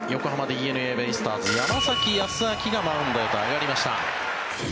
そしてセ・リーグは７回の裏横浜ＤｅＮＡベイスターズ山崎康晃がマウンドへと上がりました。